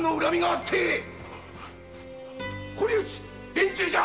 殿中じゃ！